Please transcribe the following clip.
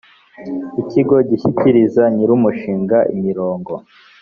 ikigo gishyikiriza nyir umushinga imirongo